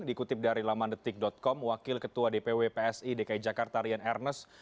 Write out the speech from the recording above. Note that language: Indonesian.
dikutip dari lamandetik com wakil ketua dpw psi dki jakarta rian ernest